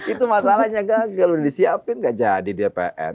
itu masalahnya gagal disiapin gak jadi dpr